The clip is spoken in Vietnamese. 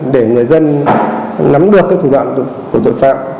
để người dân nắm được các thủ đoạn của tội phạm